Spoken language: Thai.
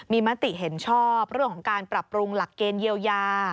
มีมติเห็นชอบเรื่องของการปรับปรุงหลักเกณฑ์เยียวยา